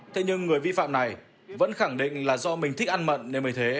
thế nhưng người vi phạm này vẫn khẳng định là do mình thích ăn mận nên mới thế